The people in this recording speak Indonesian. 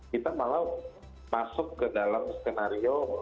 kita malah masuk ke dalam skenario